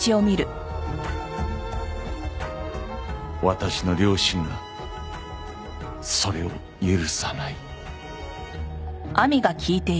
私の良心がそれを許さない。